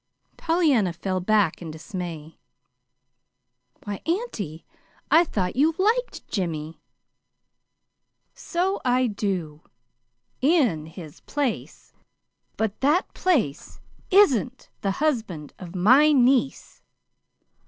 Pollyanna fell back in dismay. "Why, auntie, I thought you LIKED Jimmy!" "So I do in his place. But that place isn't the husband of my niece."